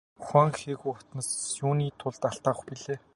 Миний бие Хуванхэхү хатнаас юуны тулд алт авах билээ?